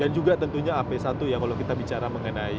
dan juga tentunya ap satu ya kalau kita bicara mengenai